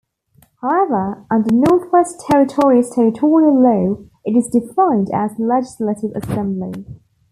However, under Northwest Territories territorial law, it is defined as "Legislative Assembly".